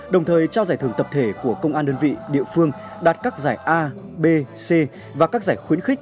đồng thời trao giải thưởng tập thể của công an đơn vị địa phương đạt các giải a b c và các giải khuyến khích